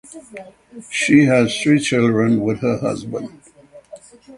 She has three children with her husband.